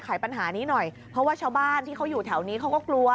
ปัญหานี้หน่อยเพราะว่าชาวบ้านที่เขาอยู่แถวนี้เขาก็กลัว